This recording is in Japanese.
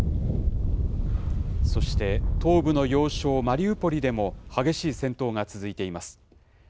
そして、東部の要衝、マリウポリでも、激しい戦闘が続いています。